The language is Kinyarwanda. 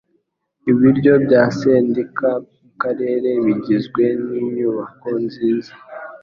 ibiro bya sendika mu karere bigizwe ni nyubako nziza